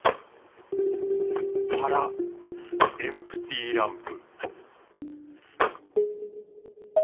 腹エンプティーランプ